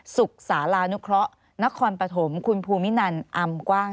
ศึกษาลานุเคราะห์นครปฐมคุณภูมินันอำกว้าง